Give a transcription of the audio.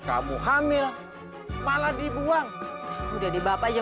aku ingin memperbaikinya